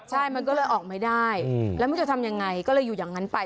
ใช่มันก็เลยออกไม่ได้แล้วมันจะทำยังไงก็เลยอยู่อย่างนั้นไป